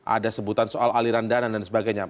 ada sebutan soal aliran dana dan sebagainya